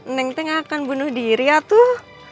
neng tuh gak akan bunuh diri atuh